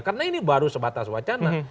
karena ini baru sebatas wacana